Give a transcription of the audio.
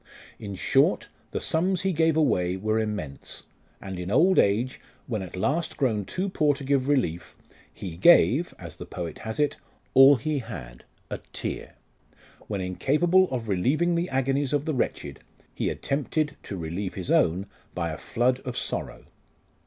In short, the stuns he gave away were immense ; and in old age, when at last grown too poor to give relief, " he gave," as the poet has it, 1 "all he had a tear:" when incapable of relieving the agonies of the wretched, he attempted to relieve his own by a flood of sorrow.